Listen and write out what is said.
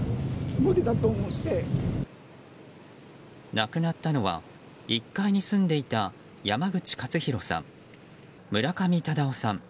亡くなったのは１階に住んでいた山口勝弘さん、村上忠雄さん